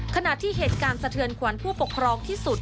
ขณะที่เหตุการณ์สะเทือนขวัญผู้ปกครองที่สุด